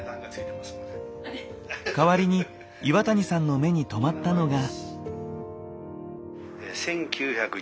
代わりに岩谷さんの目に留まったのが？